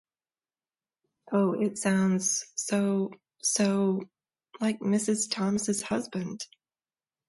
Oh, it sounds so — so — like Mrs. Thomas’s husband!